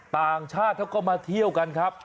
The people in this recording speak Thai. ต่างชาติเขาก็มาเที่ยวกันครับ